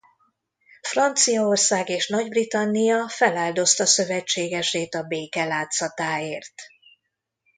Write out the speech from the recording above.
Franciaország és Nagy-Britannia feláldozta szövetségesét a béke látszatáért.